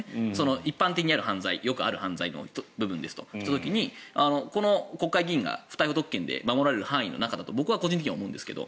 一般的にある犯罪よくある犯罪の部分ですとした時にこの国会議員が不逮捕特権で守られる範囲だと僕は個人的には思うんですけど。